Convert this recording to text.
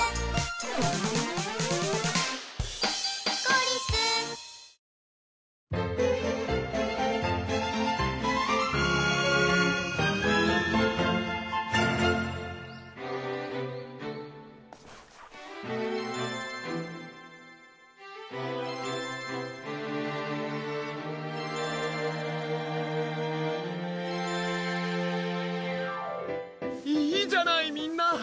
あぁいいじゃないみんな！